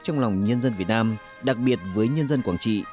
trong lòng nhân dân việt nam đặc biệt với nhân dân quảng trị